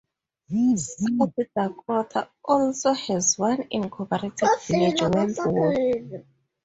South Dakota also has one incorporated village, Wentworth.